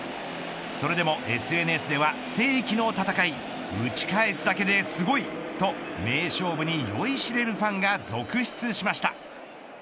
それでもＳＮＳでは世紀の戦い打ち返すだけですごいと名勝負に酔いしれるファンが続出しました。